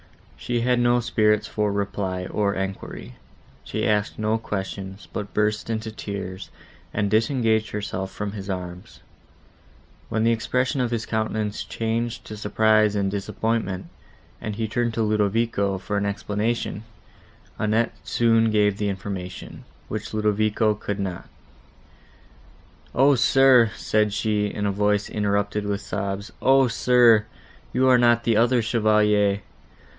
She had no spirits for reply, or enquiry; she asked no questions, but burst into tears, and disengaged herself from his arms; when the expression of his countenance changed to surprise and disappointment, and he turned to Ludovico, for an explanation; Annette soon gave the information, which Ludovico could not. "O, sir!" said she, in a voice, interrupted with sobs; "O, sir! you are not the other Chevalier.